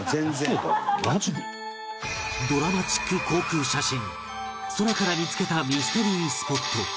ドラマチック航空写真空から見つけたミステリースポット